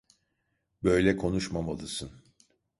Böyle konuşmamalısın.